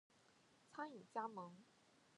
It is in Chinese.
餐饮加盟